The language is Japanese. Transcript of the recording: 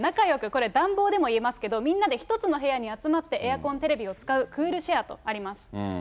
これ、暖房でもいえますけど、みんなで一つの部屋に集まってエアコン、テレビを使うクールシェアとあります。